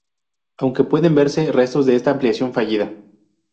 Aún pueden verse restos de esta ampliación fallida.